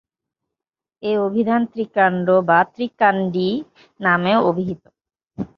এ অভিধান ‘ত্রিকান্ড’ বা ‘ত্রিকান্ডী’ নামেও অভিহিত।